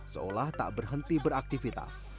seolah tak berhenti beraktifitas